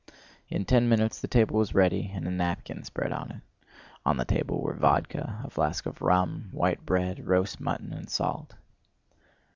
In ten minutes the table was ready and a napkin spread on it. On the table were vodka, a flask of rum, white bread, roast mutton, and salt.